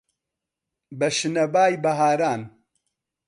بە شنەبای بەهاران